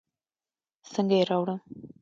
څنګه يې راوړم.